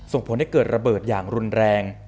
ส่งผลให้เกิดระเบิดอย่างรุนแรง